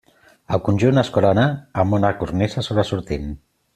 El conjunt es corona amb una cornisa sobresortint.